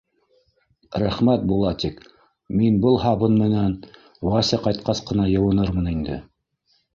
— Рәхмәт, Булатик, мин был һабын менән Вася ҡайтҡас ҡына йыуынырмын инде!